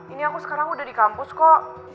ini aku sekarang udah di kampus kok